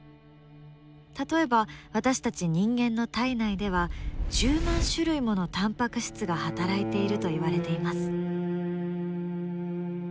例えば私たち人間の体内では１０万種類ものタンパク質が働いていると言われています。